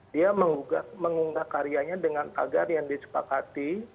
dia mengunggah karyanya dengan tagar yang disepakati